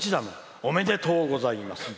「おめでとうございます。